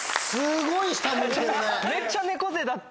めっちゃ猫背だった。